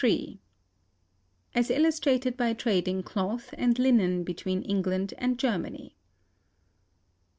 —As illustrated by trade in cloth and linen between England and Germany.